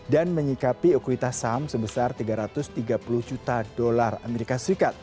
dan menyikapi ekuitas saham sebesar tiga ratus tiga puluh juta dolar as